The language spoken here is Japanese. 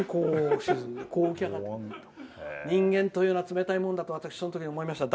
人間というのは冷たいものだと思いました。